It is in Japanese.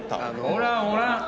おらんおらん。